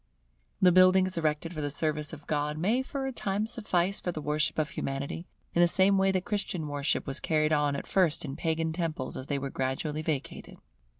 The buildings erected for the service of God may for a time suffice for the worship of Humanity, in the same way that Christian worship was carried on at first in Pagan temples as they were gradually vacated.